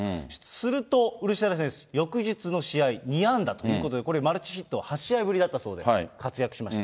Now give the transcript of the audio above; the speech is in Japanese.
すると、ウルシェラ選手、翌日の試合２安打ということで、これ、マルチヒットは８試合ぶりだったそうで、活躍しました。